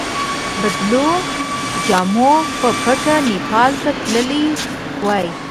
بدلو جامو په پټه نیپال ته تللی وای.